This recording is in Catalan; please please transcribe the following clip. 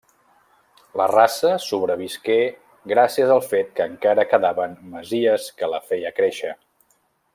La raça sobrevisqué gràcies al fet que encara quedaven masies que la feia créixer.